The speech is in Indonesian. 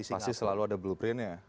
pasti selalu ada blueprint ya